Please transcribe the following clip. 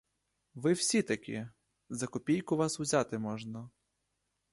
Ви всі такі, — за копійку вас узяти можна!